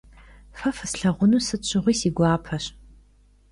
Fe fıslhağunu sıt şığui si guapeş.